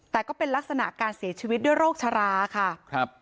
แต่ก็เป็นลักษณะการเสียชีวิตด้วยโรคชราค่ะครับ